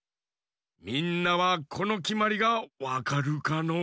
みんなはこのきまりがわかるかのう？